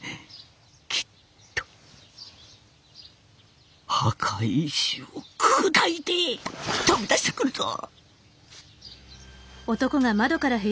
きっと墓石を砕いて飛び出してくるぞ。